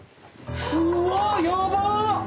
うわっやばっ！